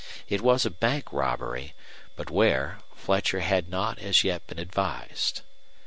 It was a bank robbery; but where, Fletcher had not as yet been advised.